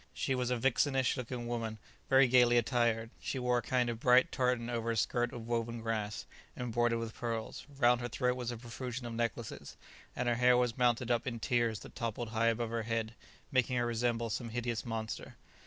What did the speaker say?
She was a vixenish looking woman, very gaily attired; she wore a kind of bright tartan over a skirt of woven grass, embroidered with pearls; round her throat was a profusion of necklaces, and her hair was mounted up in tiers that toppled high above her head, making her resemble some hideous monster.